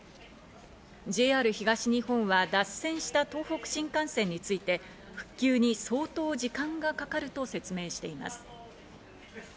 ＪＲ東日本は脱線した東北新幹線について、復旧に相当時間がかかると説明しています。